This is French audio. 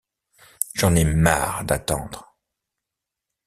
J’en ai marre d’attendre.